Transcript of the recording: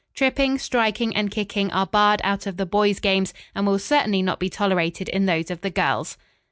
Tripping, striking and kicking are barred out of the boys' games and will certainly not be tolerated in those of the girls."